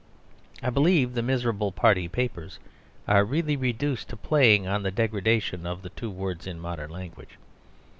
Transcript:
I believe the miserable party papers are really reduced to playing on the degradation of the two words in modern language.